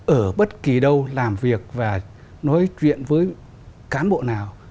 ở bất kỳ đâu làm việc và nói chuyện với cán bộ nào